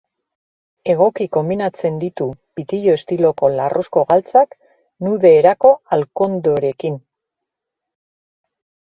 Egoki konbinatzen ditu pitillo estiloko larruzko galtzak nude erako alkandorekin.